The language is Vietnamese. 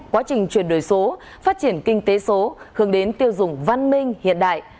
quá trình chuyển đổi số phát triển kinh tế số hướng đến tiêu dùng văn minh hiện đại